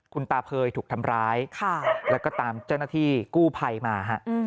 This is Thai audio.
คุณตาเผยถูกทำร้ายแล้วก็ตามเจ้าหน้าที่กู้ภัยมาฮะ